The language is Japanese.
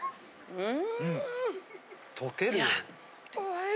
うん！